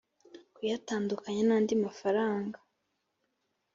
kuyatandukanya n andi mafaranga